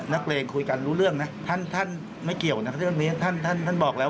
นักเลงคุยกันรู้เรื่องนะท่านไม่เกี่ยวนะท่านบอกแล้ว